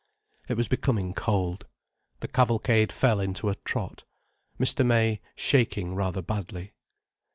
It was becoming cold. The cavalcade fell into a trot, Mr. May shaking rather badly.